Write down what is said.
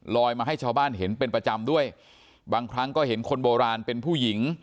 มาให้ชาวบ้านเห็นเป็นประจำด้วยบางครั้งก็เห็นคนโบราณเป็นผู้หญิง